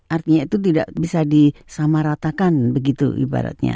artinya itu tidak bisa disamaratakan ya